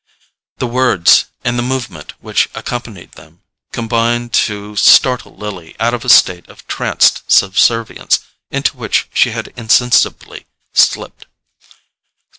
The words, and the movement which accompanied them, combined to startle Lily out of the state of tranced subservience into which she had insensibly slipped.